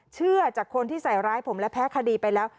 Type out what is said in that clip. เชื่อจากคนที่ใส่ร้ายผมและแพ้คดีไปแล้ว